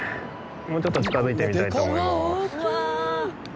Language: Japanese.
もうちょっと近づいてみたいと思います。